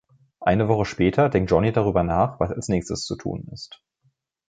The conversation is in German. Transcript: Eine Woche später denkt Johnny darüber nach, was als nächstes zu tun ist.